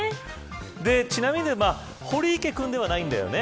ちなみに、堀池君ではないんだよね。